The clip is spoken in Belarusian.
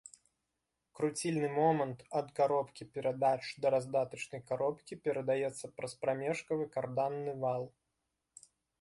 Круцільны момант ад каробкі перадач да раздатачнай каробкі перадаецца праз прамежкавы карданны вал.